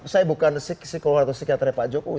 saya bukan psikolog atau psikiaternya pak jokowi